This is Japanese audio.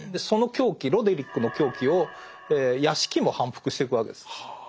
その狂気ロデリックの狂気を屋敷も反復してくわけです。は。